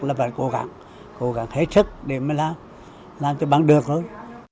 là phải cố gắng cố gắng hết sức để làm cho bằng được thôi